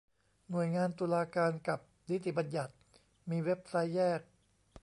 หน่วยงานตุลาการกับนิติบัญญัติมีเว็บไซต์แยก